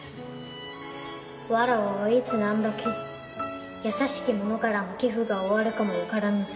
わらわはいつ何時優しき者からの寄付が終わるかもわからぬぞよ。